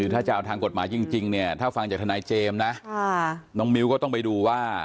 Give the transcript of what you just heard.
ถ้าจะเอาทางกฎหมายจริงเนี่ยถ้าฟังจากทนายเจมส์นะน้องมิ้วก็ต้องไปดูว่า